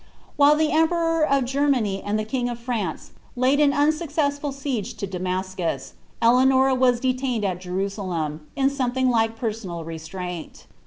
While the emperor of Germany and the king of France laid an unsuccessful siege to Damastiqs, Eleanoia «U detained at Jerusalem, in something like personal restraint.